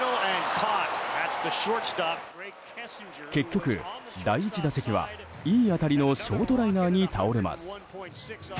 結局、第１打席はいい当たりのショートライナーに倒れます。